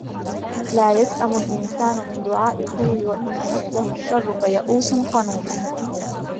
لا يسأم الإنسان من دعاء الخير وإن مسه الشر فيئوس قنوط